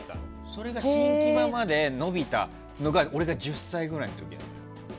それが新木場まで延びたのが俺が１０歳ぐらいの時なの。